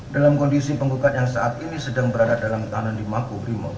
dalam kondisi penggugat yang saat ini sedang berada dalam tanah di makuhrimo